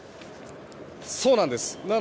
そうなんです。